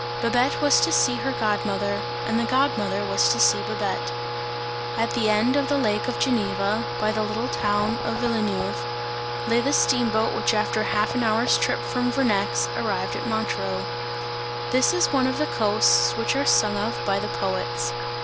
Babette was to see her god mother, and the god mother was to see Babette. At the end of the lake of Geneva, by the little town of Villeneuve, lay the steam boat which after half an hour's trip from Vernex, arrived at Montreux. This is one of the coasts which are sung of by the poets.